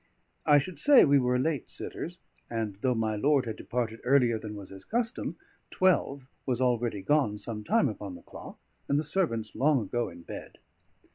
I should say we were late sitters; and though my lord had departed earlier than was his custom, twelve was already gone some time upon the clock, and the servants long ago in bed.